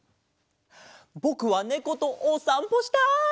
ぼくはねことおさんぽしたい！